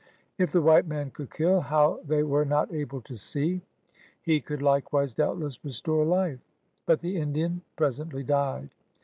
If the white man could kill — how they were not able to see — he could likewise doubtless restore life. But the Indian presently died.